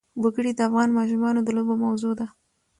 وګړي د افغان ماشومانو د لوبو موضوع ده.